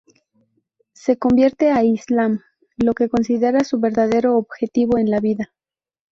Se convierte al Islam, lo que considera su verdadero objetivo en la vida.